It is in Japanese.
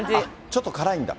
ちょっと辛いんだ。